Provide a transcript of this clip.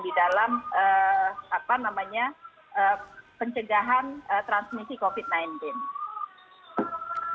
di dalam pencegahan transmisi covid sembilan belas